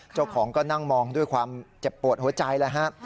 เจ้าของก็นั่งมองด้วยความเจ็บปวดหัวใจแล้วฮะ